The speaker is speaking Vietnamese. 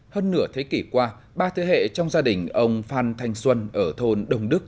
hơn nửa thế kỷ qua ba thế hệ trong gia đình ông phan thanh xuân ở thôn đồng đức